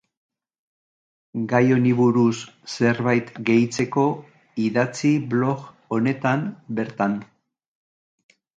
Gai honi buruz zerbait gehitzeko idatzi blog honetan bertan.